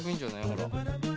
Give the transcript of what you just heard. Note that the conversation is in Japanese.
ほら。